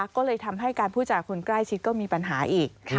ก็เลยทำให้การพูดจากคนใกล้ชิดก็มีปัญหาอีก